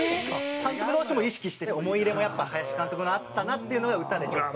監督同士も意識して思い入れもやっぱ林監督のあったなっていうのは歌でちょっと。